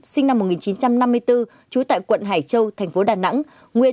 sinh năm một nghìn chín trăm năm mươi bốn trú tại quận hải châu thành phố đà nẵng nguyên